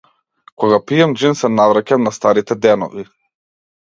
Кога пијам џин се навраќам на старите денови.